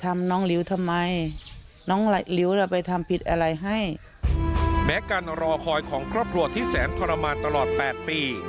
แม้การรอคอยของครอบครัวที่แสนทรมานตลอด๘ปี